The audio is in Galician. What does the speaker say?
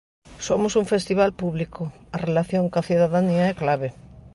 Somos un festival público, a relación ca cidadanía é clave.